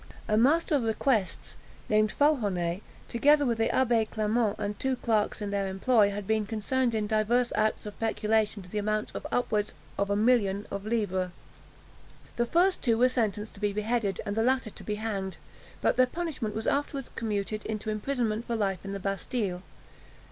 A Master of Requests, named Falhonet, together with the Abbé Clement, and two clerks in their employ, had been concerned in divers acts of peculation to the amount of upwards of a million of livres. The first two were sentenced to be beheaded, and the latter to be hanged; but their punishment was afterwards commuted into imprisonment for life in the Bastille.